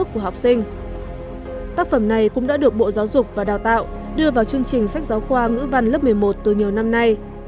các giáo dục và đào tạo đưa vào chương trình sách giáo khoa ngữ văn lớp một mươi một từ nhiều năm nay